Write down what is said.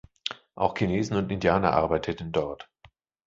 Auch Chinesen und Indianer arbeiteten dort.